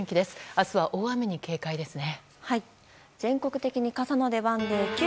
明日は大雨に警戒ですね。